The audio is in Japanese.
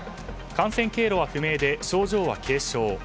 感染経路は不明で症状は軽症。